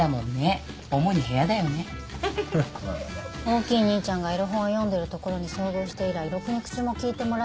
大きい兄ちゃんがエロ本を読んでるところに遭遇して以来ろくに口も利いてもらえないみたい。